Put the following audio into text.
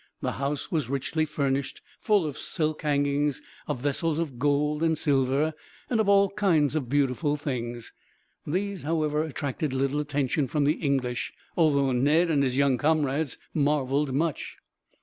The house was richly furnished; full of silk hangings, of vessels of gold and silver, and of all kinds of beautiful things. These, however, attracted little attention from the English, although Ned and his young comrades marveled much.